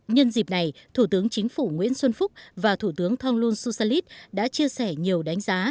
nhân dịp này thủ tướng chính phủ nguyễn xuân phúc và thủ tướng thonglun susalit đã chia sẻ nhiều đánh giá